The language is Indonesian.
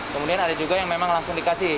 kemudian ada juga yang memang langsung dikasih